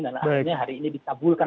dan akhirnya hari ini ditabulkan